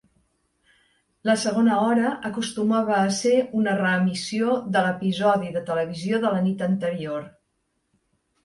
La segona hora acostumava a ser una reemissió de l'episodi de televisió de la nit anterior.